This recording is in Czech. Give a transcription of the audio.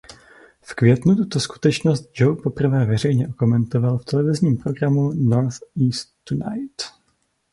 V květnu tuto skutečnost Joe poprvé veřejně okomentoval v televizním programu "North East Tonight".